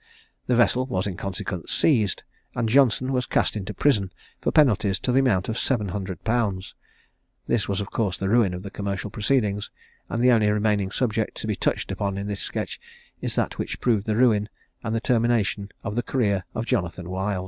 The vessel was in consequence seized, and Johnson was cast into prison for penalties to the amount of 700_l._ This was of course the ruin of the commercial proceedings; and the only remaining subject to be touched upon in this sketch is that which proved the ruin, and the termination of the career of Jonathan Wild.